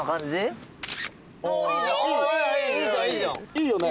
いいよね。